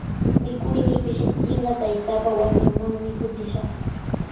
Mikuynii pishiptinqa taytaapa wasinmanmi kutishaq.